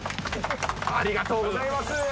ありがとうございます。